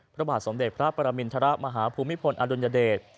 พระบาทสมเด็จพระปรมินทรมาฮภูมิพลอดุลยเดช